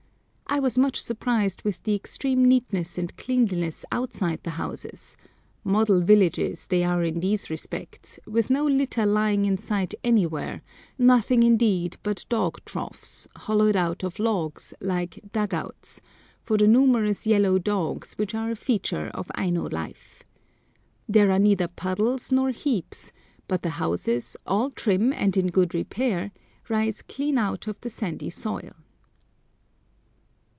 I was much surprised with the extreme neatness and cleanliness outside the houses; "model villages" they are in these respects, with no litter lying in sight anywhere, nothing indeed but dog troughs, hollowed out of logs, like "dug outs," for the numerous yellow dogs, which are a feature of Aino life. There are neither puddles nor heaps, but the houses, all trim and in good repair, rise clean out of the sandy soil.